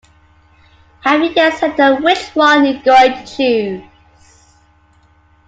Have you yet settled which one you're going to choose?